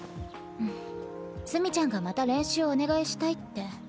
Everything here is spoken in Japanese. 墨ちゃんがまた練習お願いしたいって。